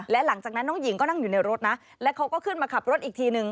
และหลังจากนั้นน้องหญิงก็นั่งอยู่ในรถนะแล้วเขาก็ขึ้นมาขับรถอีกทีนึง